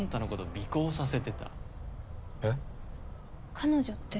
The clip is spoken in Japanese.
彼女って？